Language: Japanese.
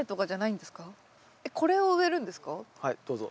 はいどうぞ。